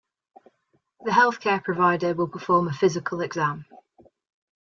The health care provider will perform a physical exam.